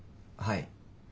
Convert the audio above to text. はい。